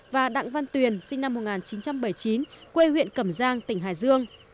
và đặng văn tuyền sinh năm một nghìn chín trăm bảy mươi chín quê huyện cẩm giang tỉnh hải dương